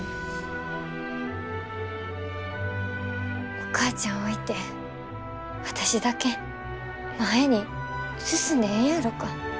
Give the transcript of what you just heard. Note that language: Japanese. お母ちゃん置いて私だけ前に進んでええんやろか。